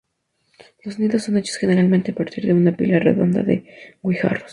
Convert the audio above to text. Los nidos son hechos generalmente a partir de una pila redonda de guijarros.